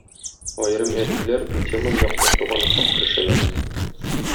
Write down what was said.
Аерым әдипләр бу теманы яктыртуга ныклап керешәләр.